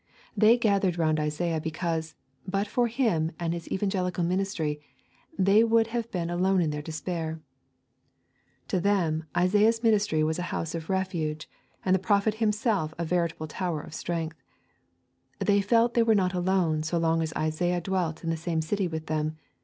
They gathered round Isaiah because, but for him and his evangelical ministry, they would have been alone in their despair. To them Isaiah's ministry was a house of refuge, and the prophet himself a veritable tower of strength. They felt they were not alone so long as Isaiah dwelt in the same city with them.